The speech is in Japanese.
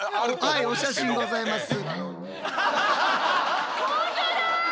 はいお写真ございます。